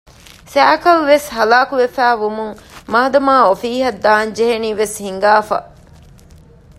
ސައިކަލްވެސް ހަލާކުވެފައި ވުމުން މާދަމާ އޮފީހަށް ދާން ޖެހެނީވެސް ހިނގާފަ